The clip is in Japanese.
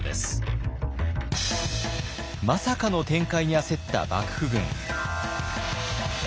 まさかの展開に焦った幕府軍。